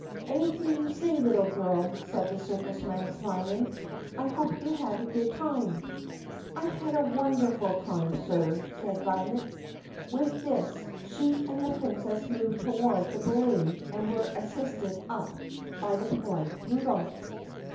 "Anything you say, little girl!" said the circus man smiling. "I hope you had a good time." "I had a wonderful time, sir," said Violet. With this she and the Princess moved toward the balloon and were assisted up by the polite Rudolph.